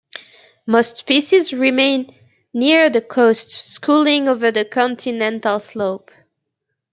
Most species remain near the coast, schooling over the continental slope.